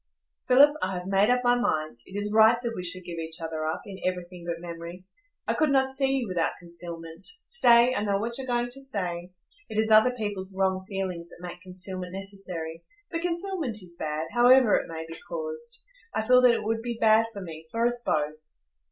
"Philip, I have made up my mind; it is right that we should give each other up, in everything but memory. I could not see you without concealment—stay, I know what you are going to say,—it is other people's wrong feelings that make concealment necessary; but concealment is bad, however it may be caused. I feel that it would be bad for me, for us both.